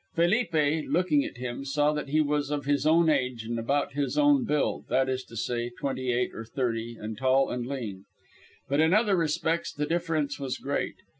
Felipe, looking at him, saw that he was of his own age and about his own build that is to say, twenty eight or thirty, and tall and lean. But in other respects the difference was great.